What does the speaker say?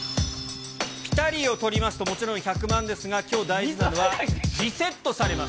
ピタリを取りますと、もちろん１００万ですが、きょう大事なのは、リセットされます。